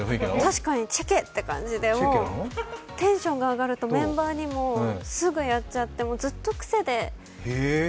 確かにチェケって感じでテンションが上がるとメンバーにもすぐやっちゃってずっとくせで。